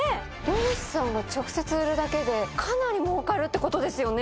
漁師さんが直接売るだけでかなり儲かるってことですよね！